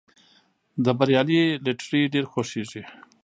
د بریالي لټیري ډېر خوښیږي.